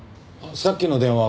さっきの電話